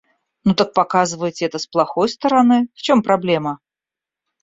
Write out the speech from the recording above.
Ну так показывайте это с плохой стороны, в чём проблема?